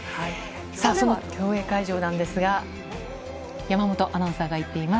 その競泳会場なんですが、山本アナウンサーが行っています。